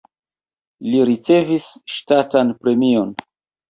Li ricevis ŝtatan premion.